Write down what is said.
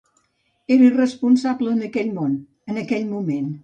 Era irresponsable en aquell món, en aquell moment.